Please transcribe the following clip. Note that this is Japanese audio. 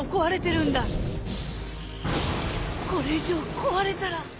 これ以上壊れたら。